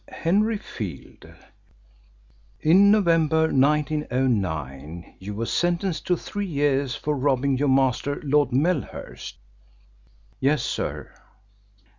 "So, Henry Field, in November 1909 you were sentenced to three years for robbing your master, Lord Melhurst." "Yes, sir."